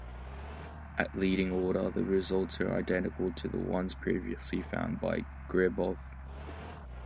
At leading order, the results are identical to the ones previously found by Gribov.